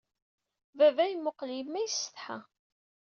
Baba yemmuqqel yemma, yessetḥa.